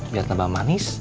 biar tambah manis